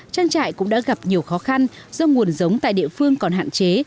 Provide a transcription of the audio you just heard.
trang trại cũng đã gặp nhiều khó khăn do nguồn giống tại địa phương còn hạn chế